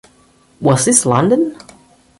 Was this London?